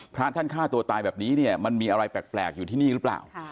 พระท่านฆ่าตัวตายแบบนี้เนี่ยมันมีอะไรแปลกอยู่ที่นี่หรือเปล่า